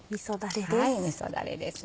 みそだれです。